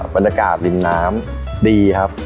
บรรยากาศริมน้ำดีครับ